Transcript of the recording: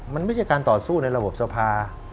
มันไม่ใช่การต่อสู้ในระบบสภา